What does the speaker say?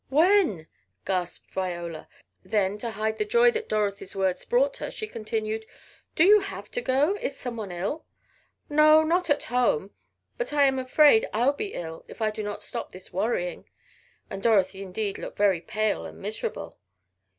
"When?" gasped Viola. Then to hide the joy that Dorothy's words brought her, she continued, "Do you have to go? Is someone ill?" "No, not at home. But I am afraid I'll be ill if I do not stop this worrying," and Dorothy indeed looked very pale and miserable.